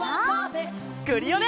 クリオネ！